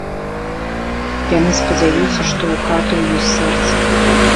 Яны спадзяваліся, што ў катаў ёсць сэрцы.